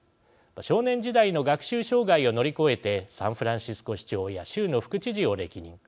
少年時代の学習障害を乗り越えてサンフランシスコ市長や州の副知事を歴任。